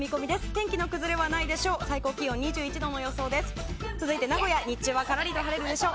天気の崩れはないでしょう。